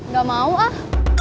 gak mau ah